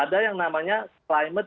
ada yang namanya climate